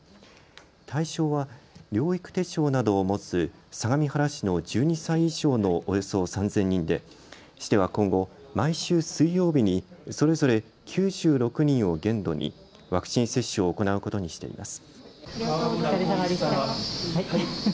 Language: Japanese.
対象は療育手帳などを持つ相模原市の１２歳以上のおよそ３０００人で市では今後、毎週水曜日にそれぞれ９６人を限度にワクチン接種を行うことにしています。